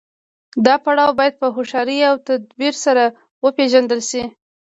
دا پړاو باید په هوښیارۍ او تدبیر سره وپیژندل شي.